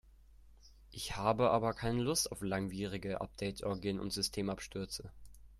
Ich habe aber keine Lust auf langwierige Update-Orgien und Systemabstürze.